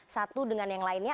satu dengan yang lainnya